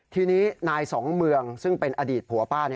ทีนี้นายสองเมืองซึ่งเป็นอดีตผัวป้า